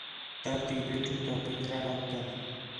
تڑ تی پیٹھو تا پھنجرہ لَکھ کر